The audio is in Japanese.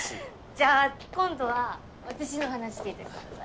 じゃあ今度は私の話聞いてください。